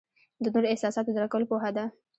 د نورو احساسات درک کول پوهه ده.